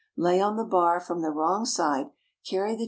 lay on the bar from the wrong side, carry the ch.